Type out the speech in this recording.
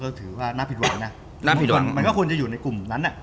ก็ถือว่าน่าผิดหวังนะมันก็ควรจะอยู่ในกลุ่มนั้นอ่ะ